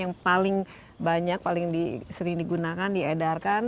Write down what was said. yang paling banyak paling sering digunakan diedarkan